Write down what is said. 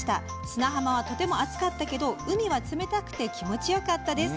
砂浜はとても暑かったけど海は冷たくて気持ちよかったです。